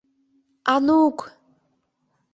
— Анук!..